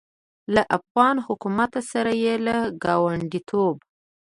له افغان حکومت سره یې له ګاونډیتوب